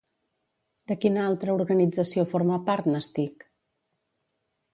De quina altra organització forma part, Nastic?